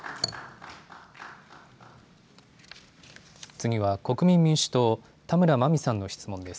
次は国民民主党、田村麻美さんの質問です。